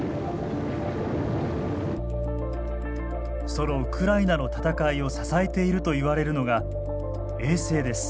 そのウクライナの戦いを支えているといわれるのが衛星です。